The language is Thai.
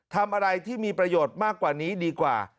ทำอะไรที่มีประโยชน์มากกว่านี้ดีกว่า